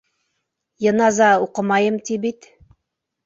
— Йыназа уҡымайым ти бит.